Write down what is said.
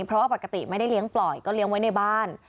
เพราะว่าปกติไม่ได้เลี้ยงปล่อยก็เลี้ยงไว้ในบ้าน